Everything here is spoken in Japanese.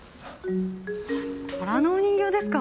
虎のお人形ですか？